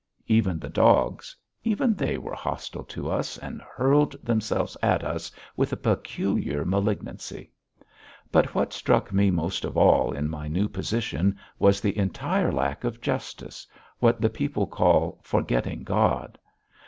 Even the dogs, even they were hostile to us and hurled themselves at us with a peculiar malignancy. But what struck me most of all in my new position was the entire lack of justice, what the people call "forgetting God."